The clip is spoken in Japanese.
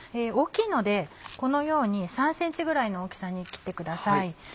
大きいのでこのように３ｃｍぐらいの大きさに切ってください。